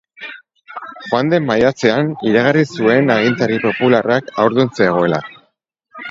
Joan den maiatzean iragarri zuen agintari popularrak haurdun zegoela.